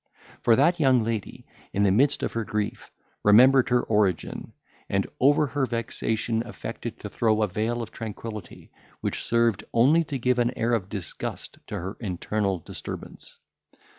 For that young lady, in the midst of her grief, remembered her origin, and over her vexation affected to throw a veil of tranquillity, which served only to give an air of disgust to her internal disturbance.